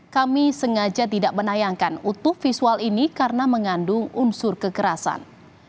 kami sengaja tidak menayangkan utuh visual ini karena mengandung unsur kekerasan